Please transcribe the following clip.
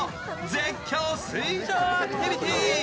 絶叫水上アクティビティー。